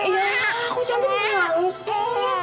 ya aku cantik jangan nangis ya